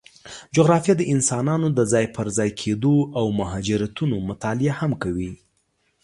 جغرافیه د انسانانو د ځای پر ځای کېدو او مهاجرتونو مطالعه هم کوي.